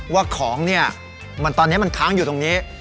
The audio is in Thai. ว่าของเนี่ยตอนนี้มันค้างอยู่ตรงนี้